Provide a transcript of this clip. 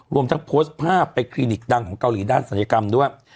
รวมทั้งโพสต์ภาพไปคลินิกดังของเกาหลีด้านศัลยกรรมด้วย